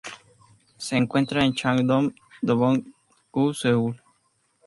Se encuentra en Chang-dong, Dobong-gu, Seúl.